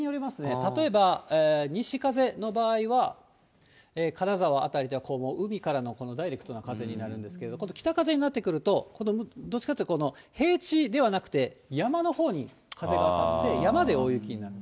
例えば西風の場合は、金沢辺りではこう、海からのダイレクトな風になるんですけれども、今度北風になってくると、どっちかっていうと平地ではなくて、山のほうに風が当たって、山で大雪になる。